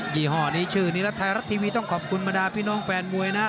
ี่ห้อนี้ชื่อนี้แล้วไทยรัฐทีวีต้องขอบคุณบรรดาพี่น้องแฟนมวยนะ